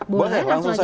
boleh langsung saja